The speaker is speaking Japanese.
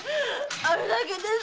あれだけです。